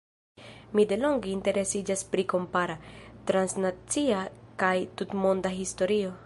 Mi delonge interesiĝas pri kompara, transnacia kaj tutmonda historio.